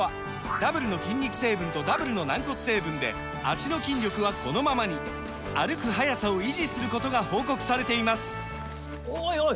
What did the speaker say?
ダブルの筋肉成分とダブルの軟骨成分で脚の筋力はこのままに歩く速さを維持することが報告されていますおいおい！